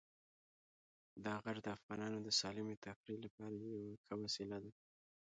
دا غر د افغانانو د سالمې تفریح لپاره یوه ښه وسیله ده.